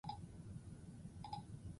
Tablet ordenagailua darama lepotik zintzilik.